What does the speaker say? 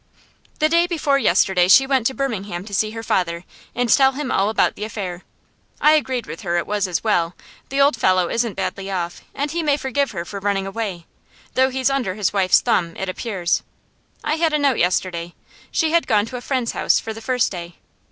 'The day before yesterday she went to Birmingham to see her father and tell him all about the affair. I agreed with her it was as well; the old fellow isn't badly off; and he may forgive her for running away, though he's under his wife's thumb, it appears. I had a note yesterday. She had gone to a friend's house for the first day.